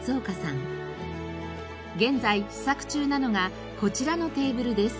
現在試作中なのがこちらのテーブルです。